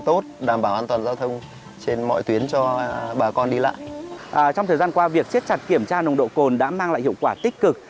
trong thời gian qua việc siết chặt kiểm tra nồng độ cồn đã mang lại hiệu quả tích cực